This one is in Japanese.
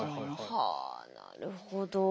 はあなるほど。